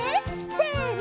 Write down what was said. せの！